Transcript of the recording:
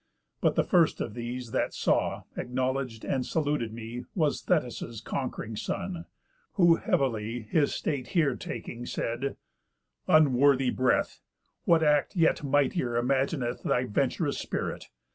But the first of these That saw, acknowledg'd, and saluted me, Was Thetis' conqu'ring son, who (heavily His state here taking) said: 'Unworthy breath! What act yet mightier imagineth Thy vent'rous spirit?